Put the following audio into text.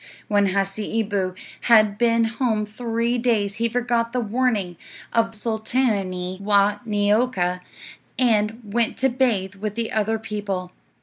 When Hasseeboo had been home three days he forgot the warning of Sultaanee Waa Neeoka, and went to bathe with the other people.